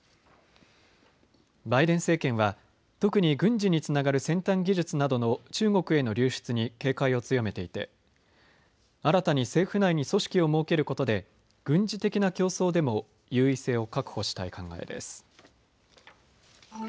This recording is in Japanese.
バイデン政権は特に軍事につながる先端技術などの中国への流出に警戒を強めていて新たに政府内に組織を設けることで軍事的な競争でも優位性を確保したい考えです。